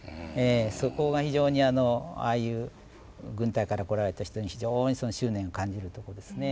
そこが非常にああいう軍隊から来られた人に非常に執念を感じるとこですね。